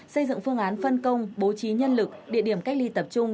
xây dựng phương án phân công bố trí nhân lực địa điểm cách ly tập trung